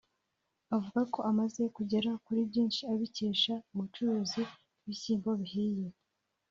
Avuga ko amaze kugera kuri byinshi abikesha ubucuruzi bw’ibishyimbo bihiye